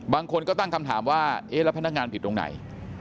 บางคนก็ตั้งคำถามว่าเอ๊ะแล้วพนักงานผิดตรงไหน